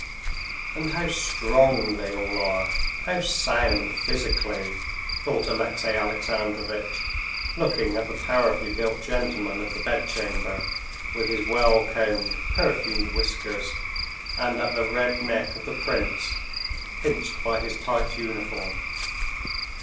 "And how strong they all are, how sound physically," thought Alexey Alexandrovitch, looking at the powerfully built gentleman of the bedchamber with his well combed, perfumed whiskers, and at the red neck of the prince, pinched by his tight uniform.